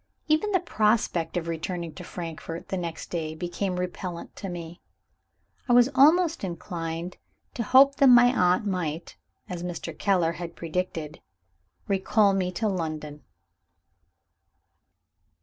Even the prospect of returning to Frankfort, the next day, became repellent to me. I was almost inclined to hope that my aunt might (as Mr. Keller had predicted) recall me to London.